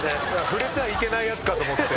触れちゃいけないやつかと思って。